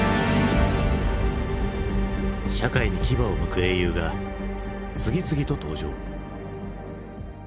社会に牙をむく英雄が次々と登場。